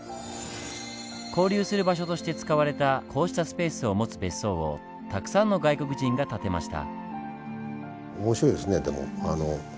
交流する場所として使われたこうしたスペースを持つ別荘をたくさんの外国人が建てました。